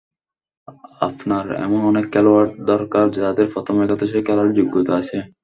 আপনার এমন অনেক খেলোয়াড় দরকার, যাদের প্রথম একাদশে খেলার যোগ্যতা আছে।